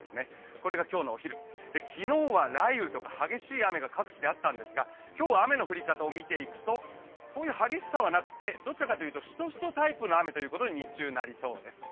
これが今日のお昼、昨日は雷雨とか激しい雨が各地あったんですが今日は雨の降り方を見ていくとそういう激しさはなくて、どちらかというと、しとしとタイプの雨に日中はなりそうです。